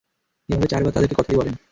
এভাবে চারবার তাদেরকে কথাটি বলেন।